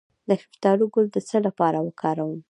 د شفتالو ګل د څه لپاره وکاروم؟